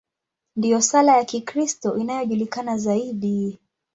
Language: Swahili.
Ndiyo sala ya Kikristo inayojulikana zaidi.